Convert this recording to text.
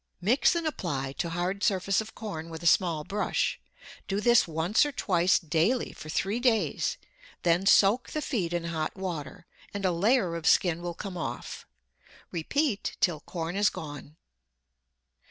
Mix and apply to hard surface of corn with a small brush. Do this once or twice daily for three days, then soak the feet in hot water, and a layer of skin will come off. Repeat till corn is gone.